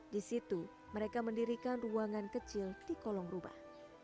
di situ mereka mendirikan ruangan kecil di kolong rumah